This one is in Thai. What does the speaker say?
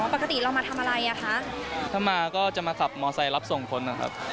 ปกติเรามาทำอะไรอ่ะคะถ้ามาก็จะมาขับมอเซลรับส่งคนนะครับ